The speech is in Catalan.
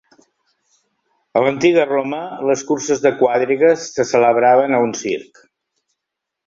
A l'antiga Roma, les curses de quadrigues se celebraven a un circ.